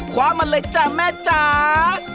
คว้ามันเลยจ้าแม่จ้า